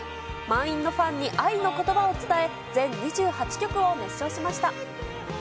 満員のファンに愛のことばを伝え、全２８曲を熱唱しました。